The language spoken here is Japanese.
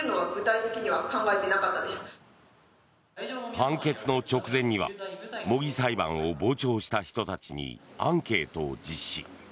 判決の直前には模擬裁判を傍聴した人たちにアンケートを実施。